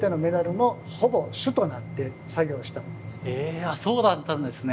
えそうだったんですね。